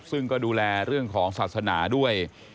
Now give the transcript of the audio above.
ซึ่งก็ดูแลเรื่องของศาสนาด้วย